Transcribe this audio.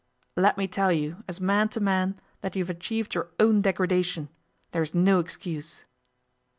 'Let me tell you, as man to man, that you have achieved your own degradation. There is no excuse.